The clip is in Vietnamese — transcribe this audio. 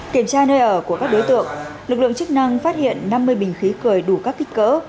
kiểm tra nơi ở của các đối tượng lực lượng chức năng phát hiện năm mươi bình khí cười đủ các kích cỡ